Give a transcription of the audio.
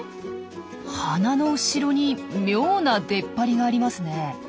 花の後ろに妙な出っ張りがありますねえ。